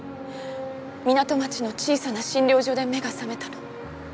港町の小さな診療所で目が覚めたの。